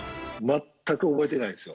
全く覚えてないです。